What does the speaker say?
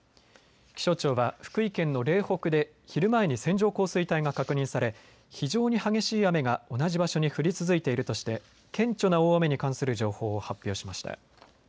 気象庁は福井県の嶺北で昼前に線状降水帯が確認され非常に激しい雨が同じ場所に降り続いているとして顕著な大雨に関する情報を発表しました。